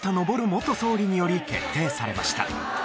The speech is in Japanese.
元総理により決定されました。